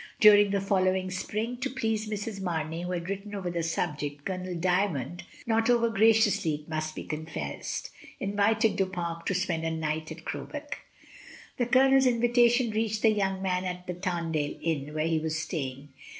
During the following spring, to please Mrs. Marney, who had written over on the subject, Colonel Dymond (not over graciously it must be confessed) invited Du Pare to spend a Mrs, Dymond. /. 17 258 MRS. DYMOND, night atCrowbeck. The Colonel's invitation reached the young man at the Tamdale Inn, where he was staying.